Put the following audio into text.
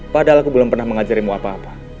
padahal aku belum pernah mengajari mu apa apa